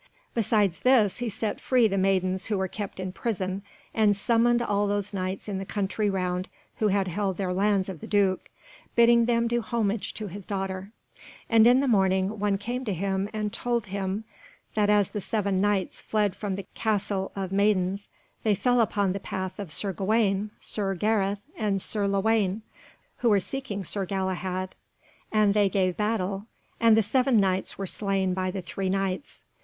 Besides this he set free the maidens who were kept in prison, and summoned all those Knights in the country round who had held their lands of the Duke, bidding them do homage to his daughter. And in the morning one came to him and told him that as the seven Knights fled from the Castle of Maidens they fell upon the path of Sir Gawaine, Sir Gareth, and Sir Lewaine, who were seeking Sir Galahad, and they gave battle: and the seven Knights were slain by the three Knights.